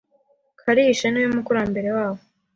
Karashi niwe mukurambere wabo.